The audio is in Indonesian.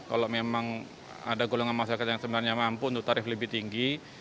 kalau memang ada golongan masyarakat yang sebenarnya mampu untuk tarif lebih tinggi